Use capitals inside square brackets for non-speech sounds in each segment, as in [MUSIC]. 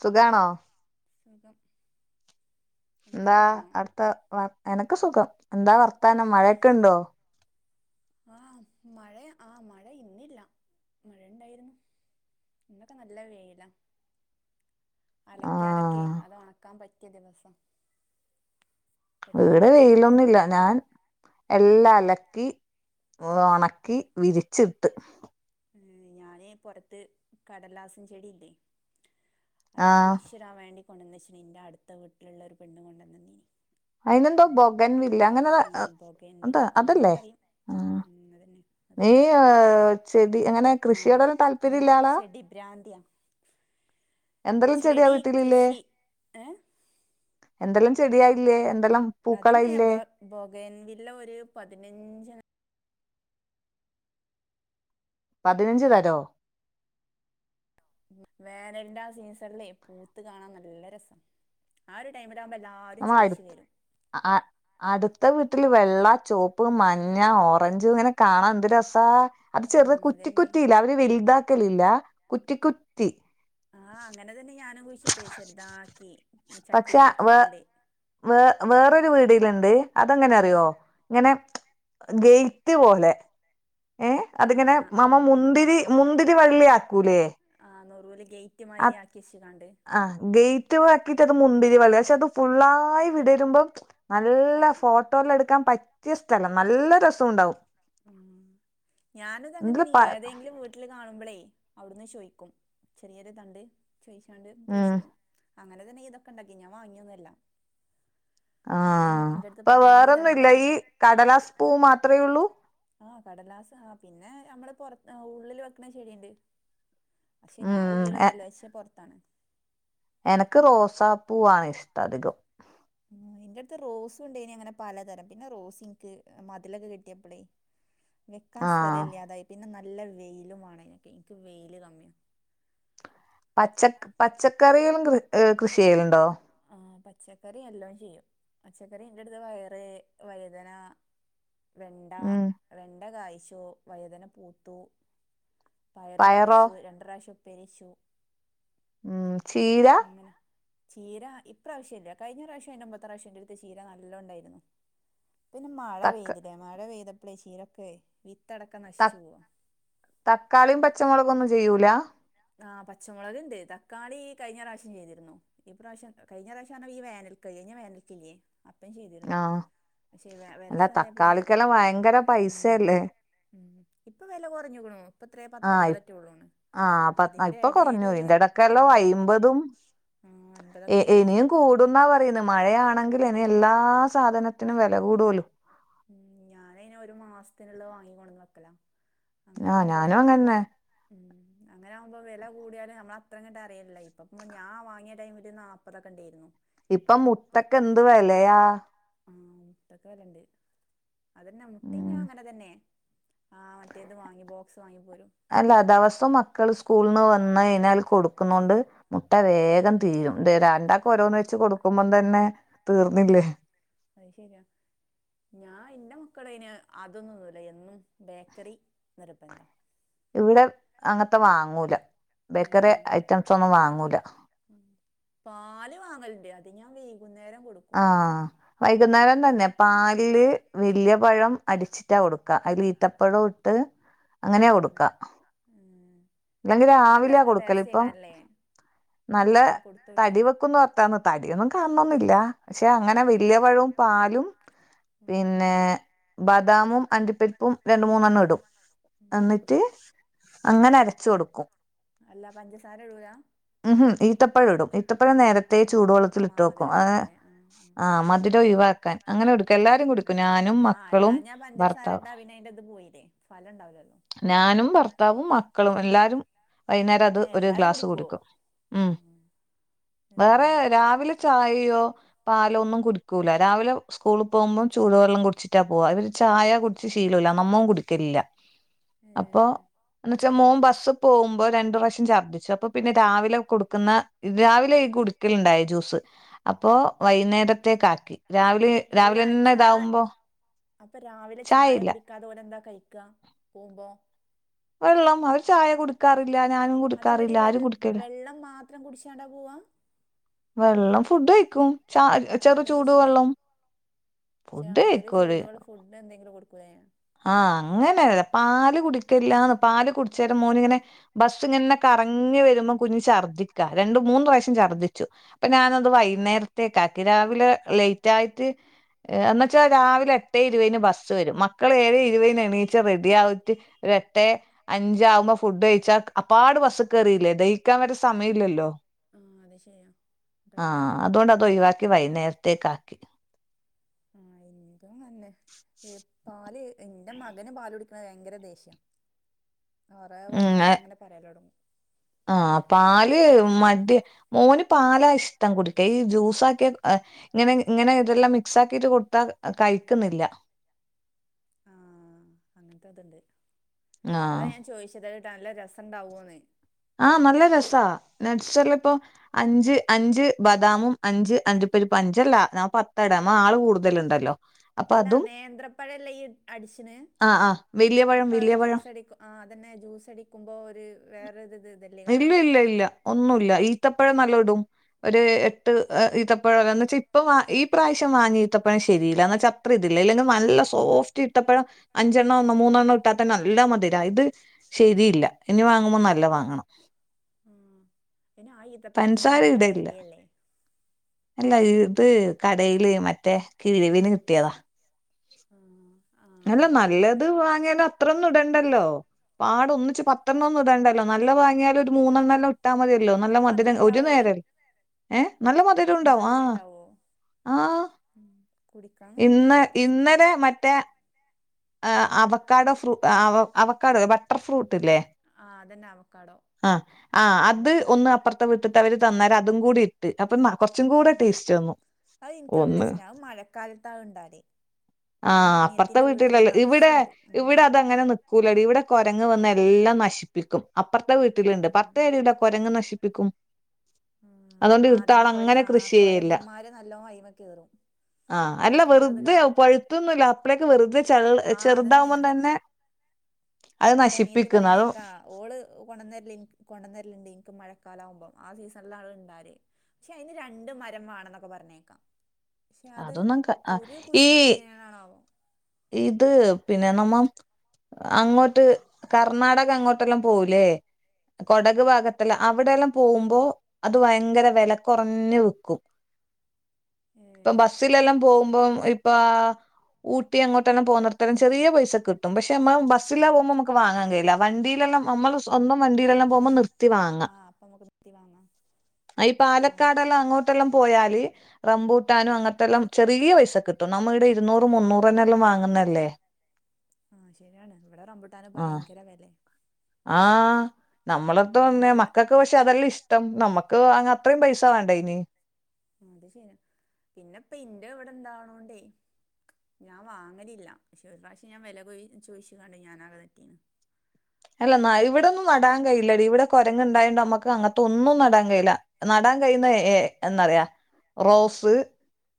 സുഖാണോ സുഖം അനക്ക് എന്താ സുഖാണോ അടുത്ത വ എനക്ക് സുഖം എന്താ വർത്താനം മഴയൊക്കെ ഇണ്ടോ? ആഹ് മഴ ആഹ മഴ ഇന്നില്ല മഴയുണ്ടായിരുന്നു ഇന്നൊക്കെ നല്ല വെയില ആ അലക്കാനൊക്കെ അത് ഒണക്കാൻ പറ്റിയ ദിവസം ഇടെ വെയിലൊന്നുല്ല ഞാൻ എല്ലാം അല അലക്കി ഒണക്കി വിരിച്ചിട്ട് ഉം ഞാനേ പൊറത്ത് കടലാസൻ ചെടി ഇല്ലേ ആ അത് കുഴിശ്ശിടാൻ വേണ്ടി കൊണ്ടന്നു വെച്ചിനി ന്റെ അടുത്ത വീട്ടിലുള്ള ഒരു പെണ്ണ് കൊണ്ടന്നന്നിനി അയിന് ന്തോ ബൊഗൻ വില്ല അങ്ങനെ ആഹ് ബൊഗേൻ എന്താ വില്ല അങ്ങനെയും അതല്ലേ പറയും ആ ഉം ഉം നീയെ ചെ [UNINTELLIGIBLE] ആ ഞാൻ ചെടി ഭ്രാന്തിയാ എന്തെല്ലാം ചെടിയാ ചെടി വീട്ടിലില്ലേ കൃഷി ഏഹ് എന്തെല്ലാം ചെടിയായില്ലേ എന്തെല്ലാം അതന്നെ പൂക്കളായില്ലേ ബോ ബോഗേൻ വില്ല ഒരു പതിനഞ്ച് പതിനഞ്ച് തരോ വാനൽന്റെ ആ സീസണ്ല്ലേ പൂത്ത് കാണാൻ നല്ല രസ. ആ ഒരു ടൈ [UNINTELLIGIBLE] ആ അടുത്ത വീട്ടിലും വെള്ള ചോപ്പ് മഞ്ഞ ഓറഞ്ച് ഇങ്ങനെ കാണാൻ എന്ത് രസാ. അത് ആ ചെറുത് കുറ്റി അതന്നെ കുറ്റിയില്ല അവര് വലുതാക്കലില്ല കുറ്റി കുറ്റി ആഹ് അങ്ങനെ തന്നെ ഞാനും കുഴിച്ചിട്ടേ ചെറുതാക്കി. പക്ഷെ വേ ചട്ടിയിലാക്കിക്കാണ്ട്. വേ വേറൊരു വീടിലണ്ട് ഉം. അതെങ്ങനറിയോ ഇങ്ങനെ ഗെയ്റ്റ് പോലെ. ഏ ആ അതിങ്ങനെ ആ ആ മമ്മ ആ ആ മുന്തിരി മുന്തിരി വള്ളിയാക്കൂലേ? ആ നൊറൂല് ഗേറ്റ് അ മാതിരി ആക്കി വെച്ച് കാണ്ട് ആ ഗേറ്റ് ആക്കിട്ട് അത് മുന്തി രിവള്ളി പക്ഷെ അത് ഫുള്ളായി വിടരുമ്പോ നല്ല ഫോട്ടോല്ലോ എടുക്കാൻ പറ്റിയ സ്ഥലം ന ല്ല രസുണ്ടാവും. ഞാനത് അങ്ങനെയാണീ പ ഏതെങ്കിലും വീട്ടില് കാണുമ്പളേ അവിടുന്ന് ചോയിക്കും ചെറിയൊരു തണ്ട്. ചോയിച്ചാണ്ട് ഉം കുഴിച്ചിടും. അങ്ങനെ തന്നെ ഇതൊക്കെ ഇണ്ടാക്കി ഞാൻ വാങ്ങിയൊന്നല്ല. ആഹ്. അപ്പൊ തരം വേറൊന്നുല്ല ഉണ്ടായിന് ഈ കടലാസ് പൂ മാത്രേ ഉള്ളൂ. ആഹ് കടലാസ് ആഹ് പിന്നെ ഞമ്മള് പൊറത്ത് ഉള്ളില് വെക്കണ ചെടിയ്ണ്ട്. ക്ഷെ ഞാൻ ഉം എ ഉള്ളിലൊന്നല്ല ച്ചേ പൊറത്താണ്. എനക്ക് റോസാപ്പൂ ആണിഷ്ടധികം. എന്റെട്ത് റോസുണ്ടേനി അങ്ങനെ പലതരം. പിന്നെ റോസ് ഇൻക്ക് മതിലൊക്കെ കെട്ടിയപ്പളേ [INAUDIBLE] വെക്കാൻ ആഹ് സ്ഥലില്ലാതായി പിന്നെ നല് ല്ല വെയിലും വാണം അയിനിക്ക്. ക്ക് വെയില് കമ്മിയ. പച്ചക്ക് പച്ചക്കറിയും കൃ കൃഷി ചെയ്യലുണ്ടോ? ആ പച്ചക്കറി എല്ലോം ചെയ്യും. പച്ചക്കറി ന്റടുത്ത് വയറ് വയ്തന വെണ്ട, ഉം വെണ്ട കായ്ച്ചു. വയ്ദന പൂത്തു. പയറ് പയറോ പറിച്ചു. രണ്ട് റാശ്യം ഉപ്പേരിയച്ചു. ഉം ചീരാ ചീര ഇപ്രാവശ്യില്ല കഴിഞ്ഞ പ്രാവശ്യം ഐന്റെ മുമ്പത്തെ പ്രാവശ്യോം ന്റെടുത്ത് ചീര നല്ലോണ്‌ണ്ടായിരുന്നു. പിന്നെ മഴ തക്ക പെയ്തില്ലേ മഴ പെയ്തപ്പളേ ചീരൊക്കെയെ വി തക് തക്കാളിയും പച്ചമുളകൊന്നും ചെയ്യൂല്ല? ആ പച്ചമുളക് ഇണ്ട്. തക്കാളി ഈ കഴിഞ്ഞ പ്രാവശ്യം ചെയ്തിരുന്നു. ഇപ്രാവശ്യം കഴിഞ്ഞ പ്രാവിശ്യാണല്ലോ ഈ വേനൽ ക് ഴിഞ്ഞ വേനലിക്കില്ലേ അപ്പം ചെയ്തിരുന്നു ആഹ് പക്ഷെ അല്ല വരസായ പിന്നെ തക്കാളിക്കെല്ലാം ഭയങ്കര ഉം പൈസയല്ലേ? ഇപ്പൊ വെല കുറഞ്ഞക്കുണു. ഇപ്പത്രേ പത്തൊമ്പതറ്റേ ഉള്ളൂ. ആ ഇപ്പൊ കുറഞ്ഞു ഈന്റെടക്കല്ലോ ഐമ്പതും ആഹ് എ അൻപതൊക്കെ ഇണ്ടായിരുന്നു എനിയും കൂടുന്നാ പറയ്ന്ന് മഴയാണെങ്കിൽ എനി എല്ലാ ആ സാധനത്തിനും വില കൂടുല്ലോ ഉം ഞാനെ ഐനോരു മാസത്തിനുള്ള വാങ്ങിക്കോട്ന്ന് വെക്കല. അങ്ങനെ ആഹ് ആകുമ്പം ഞാനും അങ്ങന്നെ ഉം അങ്ങനാകുമ്പോ വെല കൂടിയാലു നമ്മള അത്രങ്ങണ്ട് അറയണില്ല ഇപ്പ ഞൻ വാങ്ങിയ ടൈമില് നാപ്പതൊക്കെ ഇണ്ടെര്ന്നു. ഇപ്പൊ മുട്ടക്കന്ത് വെലയാ. ആഹ് മുട്ടക്ക് വെലണ്ട്. അതന്നെ മുട്ടീഞ്ഞൂ ഉം അങ്ങനെ തന്നെ. ആഹ് മറ്റേത് വാങ്ങി ബോക്സ് വാങ്ങിപ്പോരും അല്ല ദെവസവും മക്കള് സ്കൂളന്ന് വന് ന്ന കൈഞ്ഞാൽ കൊടുക്കുന്നോണ്ട് മുട്ട വേഗം തീരും. രണ്ടാക്കെ ഓരോന്ന് വെച്ച് കൊടുക്കുമ്പതന്നെ ഉം ഓരോന്ന് തീർന്നില്ലേ. അത് ശരിയാ ഞാൻ ന്നെ [UNINTELLIGIBLE] അതൊന്നുംന്നുല്ല എന്നും ബേക്കറി നിർബന്ധ. ഇവടെ അങ്ങത്തെ വാങ്ങൂല്ല. ഉം ബേക്കറി ഐറ്റംസ് ഒന്നും വാങ്ങൂല്ല. ഉം പാല് വാങ്ങലണ്ട് അത് ഞാൻ വെയ് ആഹ് വൈകുന്നേരം തന്നെ പാലില് വല്ലൃ പഴം അടിച്ചിട്ടാ കൊടുക്കാ അതിൽ ഈത്തപ്പഴം ഇട്ട് അങ്ങനൊ ഉം കൊടുക്കാ ഉം ലെങ്കി അതല്ല രാവിലാ കൊടുക്കലിപ്പം ടേസ്റ്റേക്കാരല്ലേ നല്ല ഞാൻ തടി കൊടുത്തോക്കില്ല വെക്കുന്നോർത്താണ് തടിയെന്നും കാൺണൊന്നുല്ലാ പക്ഷെ അങ്ങനെ ഉം വല്യ പഴവും, പാലും ഉം പിന്നെ ബദാമും അണ്ടിപ്പരിപ്പും രണ്ട് മൂന്നെണ്ണം ഇടും. ഇടും ഉം എന്നിട്ട് അങ്ങനെ അരച്ച് കൊടുക്കും അല്ലാ പഞ്ചസാരടൂല? ഉഹ് ഈത്തപ്പഴടും ഈത്തപ്പഴം നേരത്തെ ആ അപ്പൊ മാ ചൂടുവെള്ളത്തില്ട്ട് വെക്കും മധുരം ആ ഉണ്ടാവലേ ഉം ആ മധുരം ഇ [INAUDIBLE] ആ മക്കളും അല്ലാഞാ ഭർത്താവും പഞ്ചസാരട്ടാ പിന്നെ അയിന്റെ ത് പോയില്ലേ ഫലം ഇണ്ടാവൂലല്ലോ നാനും ഭർത്താവും മക്കളും എല്ലാരും വൈന്നേരം അത് ഏ ഒരു എല്ലാരും ഗ്ലാസ് കുടിക്കോ കുടിക്കും മ് ഉം ഏ വേറെ രാവിലെ ചായ് യേ പാലൊന്നും കുടിക്കൂല രാവിലെ സ്കൂൾ പോകുമ്പോ ചൂടുവെള്ളം കുടിച്ചിട്ടാ പോവ ഇവര് ചായ കുടിച്ച് ശീലൂല്ല നമ്മൊം കുടിക്കലില്ല ഏ അപ്പൊ മോം ബസ്സ് പോവുമ്പോ രണ്ട് പ്രാവശ്യം ഛർത്തിച്ച് അപ്പൊ പിന്നെ രാവിലെ കെടുക്ക്ന്ന രാവിലെയ് കുടിക്കല് ണ്ടായ ജ്യൂസ് അപ്പോ വൈന്നേരത്തേക്കാക്കി. രാവിലെ അല്ല ചാ രാവിലെന്നെതാവുമ്പോ അപ്പൊ രാവിലെ ചായ കുടിക്കാതെ ഓലെന്താ കഴിക്കാ പോവുമ്പോ? വെള്ളം അവര് ചായ കുടിക്കാറി അതല്ലെടീ വെൾ വെള്ളം മാത്രം കുടിച്ചാണ്ടാ പേ വെള്ളം ഫുഡ്ഡയി ക്കും ച ആ അതാ ചെറുചൂട് ചോയിച്ചേ വെള്ളം ചാ ചെറിയ ഫുഡ്ഡ്കഴിക്കോര് ചൂടുവെള്ള ഫുഡ് എന്തെങ്കിലും കൊടുക്കൂലേ ആ അങ്ങനെ പാല് കുടി ല്ലാന്ന് പാല് കുടിച്ചേരം മോന്ങ്ങനെ ബസ്സ്ങ്ങന്നെ കറങ്ങി വരുമ്പോ കുഞ്ഞ് ഛർദിക്ക രണ്ടും മൂന്ന് പ്രാവശ്യം ഛർദ്ദിച്ചു. അപ്പൊ ഞാനത് വൈന്നേരത്തേക്കാക്കി രാവിലെ ലൈറ്റായിറ്റ് എന്നച്ചാ രാവിലെ എട്ടേ ഇരുവേന് ബസ്സ് വെരും മക്കള് ഏഴേ ഇരുവേന് എണീച്ചാ റെഡി ആവ ഒരെട്ടേ അഞ്ചാവുമ്പോ ആ ഫുഡ്ഴിച്ചാൽ അപ്പാട് ബസ്ക്കറിയില്ലേ ദഹിക്കാൻ വേണ്ട്യ സമയില ല്ലോ ആ അത്ശെ ആ അതോണ്ട് അതൊയിവാക്കി വൈന്നേരത്തേകാക്കി. [INAUDIBLE] [UNINTELLIGIBLE] തെന്നെ പാല് ഇന്റെ മകന് പാല് കുടിക്കണത് ഭയങ്കര ദേഷ്യ [INAUDIBLE] കെറെ പറഞ്ഞാണ്ടങ്ങനെ പറയലൊട്ങ്ങും ആ പാല് മടിയാ ഓന് പാലായിശ് ഇഷ്ടം കുടിക്ക ഈ ജൂസാക്കിയ ഇങ്ങനെ ഇങ്ങനെ ഇതെല്ലാം മിക്സാക്കിട്ട് കൊട്ത്താ കഴിക്ക്ന്ന്ല്ലാ [INAUDIBLE] [UNINTELLIGIBLE] ണ്ട് അതാ ആഹ് ഞാ ചോയിച്ചത് അത്ടല്ല രസണ്ടാവോന്ന്? ആ് നല്ല രസാ നഡ്സല്ലപ്പോ അഞ്ച് അഞ്ച് ബദാമും അഞ്ച് അണ്ടി പ്പെരു അഞ്ചല്ല ഞാ പത്താടാ നമ്മആള് കൂടുതല്ണ്ടല്ലോ അല്ല നേന്ത്രപ്പയല്ലേ ഇയ്യ്അട്ച്ച്ണേ? ആഹ് ആഹ് വലിയ പഴം അപ്പൊ അഹ് വലിയ പഴം ജൂസടിക്കു ആ അതന്നെ ജൂസടിക്കുമ്പോ ഒരു വേറെര്ത് ഇല്ല ഇല്ല ഇല്ല ഒന്നുല്ല ഈത്തപ്പഴം നല്ലോ [INAUDIBLE] ഒര് എട്ട് എ ഈത്തപ്പഴന്നച്ചാ ഇപ്പ ഈ പ്രാശ്യം വാങ്ങിയ ഈത്തപ്പഴം ശരിയില്ല. അത്രതില്ല ഇല്ലെങ്കി നല്ല സോഫ്റ്റ് ഈത്തപ്പഴം അഞ്ച് അഞ്ചെണ്ണം ഒന്ന മൂന്നെണ്ണം ഇട്ടാത്തനെ നല്ല മധരാ ഇത് ശരിയില്ല ഇനി വാങ്ങുമ്പോ നല്ല വാങ്ങണം. ഉം പിന്നെ ആ ഈത്തപ്പ യത്തിനൊക്കെ പഞ്ചസാര നല്ല ഇടയില്ല വെലല്ലൃ. ് കടയില് മറ്റേ കിഴ് വിന് കിട്ടിയതാ ആ ആ അല്ല അങ്ങനെ കിട്ടൂലേ നല്ലത് വാങ്ങിയാ ല അത്ര ഒന്നുട ണ്ടല്ലോ പാട ഒന്നിച്ച് പത്തെണ്ണം ഒന്നും ഇടണ്ടല്ലോ നല്ല വാങ്ങിയാല ഒരു മൂന്നെണ്ണംല്ലാം ഇട്ടാ മതിയല്ലോ നല്ല അത് മധുരം ഒരു ഉണ്ടാവോടി നേരം ഏ നല്ല മധുരണ്ടാവും ആ മധുരം ഉണ്ടാവോ ആഹ ഉം കുടിക്കാൻ കഴിഞ്ഞാ ഇന്ന് പ്രശ്നമില്ല ഇന്നലെ മറ്റേ ആ് അവക്കാടോ ഫ്രൂ അവഅവക്കാടോ ബട്ടർ ഫ്രൂട്ട് ഇല്ലേ? ആ അതന്നെ അവക്കാടോ അ ആ അത് ബട്ടർ ഒന്ന് അപ്പറത്തെ വിട്ട് അവര് തന്നാൽ അതും കൂടി ഇട്ട് അപ്പൊന്ന അയി ൻ ക്ക്‌ നല്ല ഒന്ന് ഇഷ്ട മഴക്കാലത്താണ്ടാവല് ആ അപ്പറത്തെ വീട്ടി ഇവിടെ ഉം ഇവിടെ അതങ്ങനെ നിക്കൂല ടി ഇവിടെ കൊരങ്ങ വന്ന് എല്ലാം നശിപ്പിക്കും അപ്പർതെ വീട്ടിലുണ്ട് പത്തെ ഉം കുരങ്ങ് നശിപ്പിക്കും അതുകൊണ്ട് ആ ഇവിടുത്തെ അതന്നെ ആൾ അങ്ങനെ കൃഷി കൊരങ്ങന്മാര് നല്ലോ അയ് മ്മേ കേറും ആഹ് അല്ല അതിറ്റങ്ങളത് വെറുതെ കറ പഴുത്തൊന്നും ഇല്ല അപ്പളെ ക്കെ വെറുതെ ആ - ചെറുതാവുമ്പോ തന്നെ അത് ഇന്റെ അനിയത്തി നശിപ്പിക്കുന്നു അത് പറയണേക്കാ ഓള് കൊണ്ടന്നരലനി കൊണ്ടന്നരലുണ്ട്ഇ നിക്ക് മഴ മഴക്കാ ലാവുമ്പം ആ സീസൺ ലാണ് ഇ ണ്ടാവല് പക്ഷെ അതിന് രണ്ട് മരം വാ ണം ന്നൊക്കെപറഞ്ഞേക്കാ അതൊന്നുക ഈ കുഴിച്ചിടണേനാണാവോ ഇത് പിന്നെ നമ്മ അങ്ങോട്ട് കർണാടക അങ്ങോട്ടെല്ലാം പോവൂലേ ഉം കൊടക് ഭാഗത്തല്ല അവിടെയല്ലാം പോകുമ്പോ അത് വ യങ്കര വേല കുറഞ്ഞ് വിക്കും ഏ ഇപ്പൊ ബസ്സിലെല്ലാം പോകുമ്പം ഇപ്പാ ഊട്ടിങ്ങോട്ടല്ലാം പോവുന്നടത്തോളം ചെറിയ പൈസ കിട്ടും പക്ഷെമ്മ ബസിലാകുമ്പോ നമുക്ക് വാങ്ങാ ൻ കഴിയി ല്ല വണ്ടി നമ്മളെ സ്വന്തം വണ്ടിയിലെല്ലാം ആ പോകുമ്പോ നിർത്തി ആ വാങ്ങാം അപ്പൊ നമുക്ക് നിർത്തി വാങ്ങാം അയ് പാലക്കാടെല്ലാം അങ്ങോട്ടെല്ലാം പോയല് ആ റമ്പൂട്ട കിട്ടാനും അങ്ങനത്തെല്ലാം ചെറിയ പൈസ കിട്ടും നമ്മൾ ഇവിടെ ഇരുന്നൂറ് മുന്നൂറ്ന്നെ വാങ്ങുന്നല്ലേ ആ ശരിയാണ് ഇവിടെ റമ്പിട്ടാന് ആ ഭയങ്കര വില ആഹ് നമ്മളതോ ന്ന നല്ല മക്കക്ക് പക്ഷെ അതെല്ലെ ഇഷ്ടം നമ്മക്ക് ഹോ അങ്ങ ത്ര യും പൈസ വേണ്ട ഇനി അത് ശരി പിന്നെപ്പ ഇന്റെ വിടെ ണ്ടാ ണോണ്ടേ ഞാൻ വാങ്ങലില്ല പക്ഷെ ഒരു പ്രാവശ്യം ഞാൻ വിലകയി ചോയിച്ച കാണ്ട് ഞാനാകെ തെറ്റീന്ന് അല്ല നാ ഇവിട ന്നും നടാൻ കഴി യില്ലടി ഇവിടെ കൊര അത് ണ്ടായ തോണ്ട് നമ്മക്ക് അങ്ങനത്തെ ഒന്നും നടാൻ കയി ല്ല നടാൻ കഴിയുന്ന ഏ എന്ന റയാ റോസ്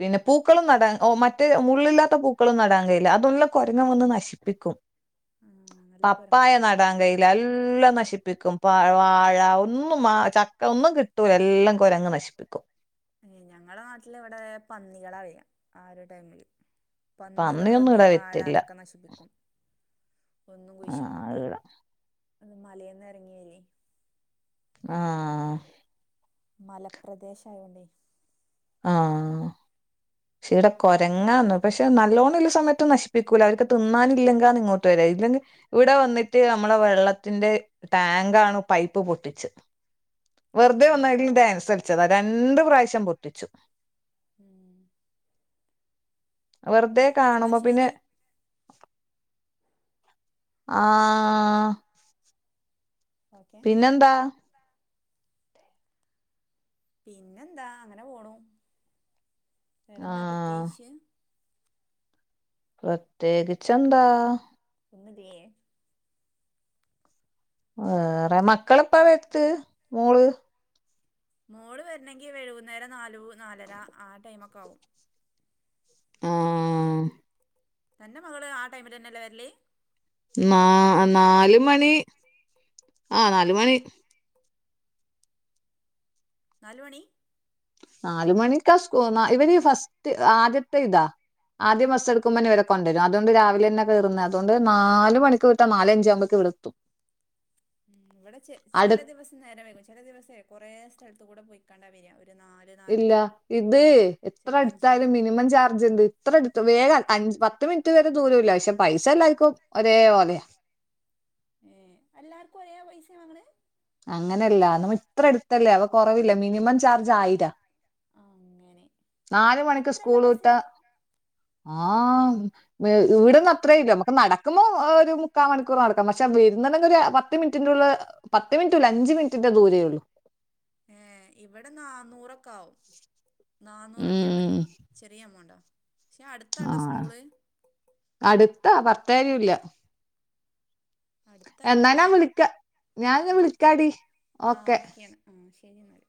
പിന്നെ പൂക്കളും നടാൻ ഓ മറ്റേ മുള്ളില്ലാത്ത പൂക്കളും നടാൻ കഴിയില്ല അതെല്ലാം കുരങ്ങ വന്ന് നശിപ്പിക്കും ആ നല്ല പപ്പായനാൽ കുരങ്ങുണ്ടാവൂലേ നടാൻ കയില്ല എല്ലാം നശിപ്പിക്കും പ വാഴ ഒന്നുംമ ചക് ഒന്നും കിട്ടൂല എല്ലാം കോരങ്ങ് നശിപ്പിക്കും ഏ ഞങ്ങളെ നാട്ടില് ഇവിടെ പന്നികള വരാ ആ ഒരു ടൈമില് പന്നികൾ പന്നിയൊന്നും വന്നേ ഇവിടെ വാ വത്തില്ല ഴാതൊക്കെ നശിപ്പിക്കും ആഹാളില അന്ന് മലയിന്ന ഇറങ്ങിവരേ യി ആ മലപ്രദേശആ യോണ്ടേ ആ ഇടെ കൊരങ്ങാന്ന് പക്ഷെ നല്ലോണഉ ള്ള സമയത്ത് നശിപ്പിക്കൂല്ല അവർക്ക് തിന്നാനില്ലെങ്കാന്ന് ഇങ്ങോട്ട് വര ഇല്ലെങ്ക ഇവിടെ വന്നിട്ട് നമ്മള വെള്ളത്തിന്റെ ടാങ്ക് ആണ് പൈപ്പ് പൊട്ടിച്ച് ആ വെറുതെ എന്നിട്ടോ ഒന്നായിടിം ഡാൻസ് കൽച്ചതാ രണ്ട് പ്രാവശ്യം പൊട്ടിച്ചു ഉം വെറുതെ എന്നാ ആയിക്കോട്ടെ എന്നാ കാണുമ്പോ പിന്നെ ശരി ആ ഓക്കെ പിന്നെന്താ പിന്നെന്താ അങ്ങനെപോണു ആ വേറെന്താ പ്രത്യേകിച്ച് പ്രത്യേകിച്ചെന്താ [UNINTELLIGIBLE] വേറെ മക്കളിപ്പോ വെത്ത് മോള് മോള് വരണെങ്കി വഴുകുന്നേരം നാലു നാലര ആ ടൈമൊക്കെ ആവും ആ തന്റെ മകള് ആ ടൈമിലന്നെല്ലേ വരല് നാ നാലുമണി ആ നാലുമണി നാലുമണി നാലു മണിക്കാ സ്കൂ ന്നാ ഇവര് ഈ ഫസ്റ്റ് ആദ്യത്തെ ഇതാ ആദ്യം ബസ് എടുക്കുമ്പോന്നെ ഇവിടെ കൊണ്ടിരും അതുണ്ട് രാവിലന്നെ കേറുന്നേ അതുകൊണ്ട് നാലു മണിക്കുവിട്ടാ നാലഞ്ചാകുംമ്പേക്ക് ഇവടത്തും മ് ഇവിടെ ചെല ദിവസം നേരം വൈകും ചെല ദിവസേ കൊറേ സ്ഥലത്തൂകൂടെ പൊയ്ക്കണ്ടാ വര്യാ ഇല്ല ഇത് എത്ര ചെലപ്പോ അഞ്ച് അടുത്താലും മണിയൊക്കെ ആവും മിനിമം ചാർജ് എന്ത് ഇത്രയെടുത്ത് വേഗം അഞ്ച് പത്ത് മിനിറ്റ് വരെ ദൂരവില്ലാ പക്ഷെ പൈസ എല്ലായിക്കും ഒരേപോലെയാ ഏ അല്ലാർക്കു ഒരേ പൈസയാ വാങ്ങണെ അങ്ങനെയല്ലാ നമ്മൾ ഇത്ര അടുത്തല്ലേ അപ്പോ കൊറവില്ലേ മിനിമം ചാർജ് ആയിരാ അങ്ങനെ നാല് മണിക്ക് അത്രയുണ്ടോ സ്കൂളുവിട്ടാ ബസ്സിന് ആ ഏ ഇവിടന്ന് ഇവിടൊക്കെ അത്രേ ഇല്ല നമക്ക് ന നടക്കുബോ ഒരു മുക്കാ മണിക്കൂർ നടക്കാം പക്ഷെ പക്ഷ വരുന്നണ്ടെങ്കിൽ ഒരു പത്ത് മിനിറ്റിൻ്റുള്ള പത്ത് മിനിറ്റൂല്ല അഞ്ച് മിനിറ്റിന്റെ ദൂരേ ഒള്ളു ഏ ഇവിടെ നാന്നൂറൊക്കെ ആവും നാന്നൂറൊക്കെയായൊള്ളെ ഉം ചെറിയ എമൗണ്ടാ പക്ഷെ ആ അടുത്താട്ടോ സ്കൂള് അടുത്താ വർത്തരൂല്ല എന്നാ ഞാൻ അടുത്തായിട്ടാണാവോ വിളിക്കാ ഞാൻ ആ നിവിളിക്കാടി ആ ഓക്കെ ഓക്കെയാണ് ആ ശരി എന്നാൽ